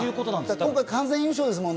今回、完全優勝ですもんね。